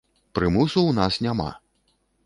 Прымусу ў нас няма.